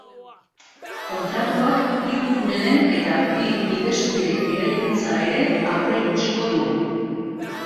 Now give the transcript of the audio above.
Kontratuak hiru tunelen eta bi bidezubiren eraikuntza ere aurreikusiko du.